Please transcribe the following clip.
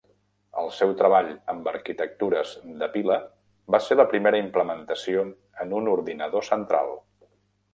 El seu treball amb arquitectures de pila va ser la primera implementació en un ordinador central.